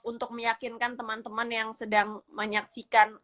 untuk meyakinkan teman teman yang sedang menyaksikan